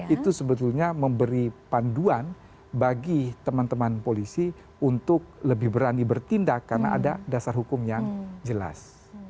itu sebetulnya memberi panduan bagi teman teman polisi untuk lebih berani bertindak karena ada dasar hukum yang jelas